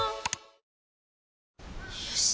よし。